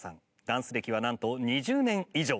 ダンス歴はなんと２０年以上。